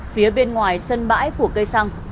phía bên ngoài sân bãi của cây xăng